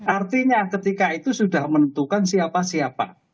artinya ketika itu sudah menentukan siapa siapa